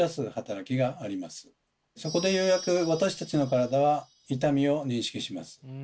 そこでようやく私たちの体は痛みを認識します。